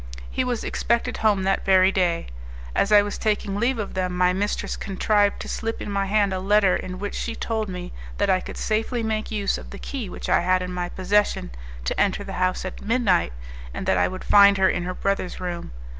He was expected home that very day. As I was taking leave of them, my mistress contrived to slip in my hand a letter in which she told me that I could safely make use of the key which I had in my possession, to enter the house at midnight, and that I would find her in her brother's room.